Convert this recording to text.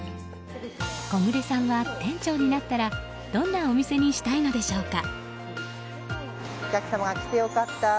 小暮さんは店長になったらどんなお店にしたいのでしょうか。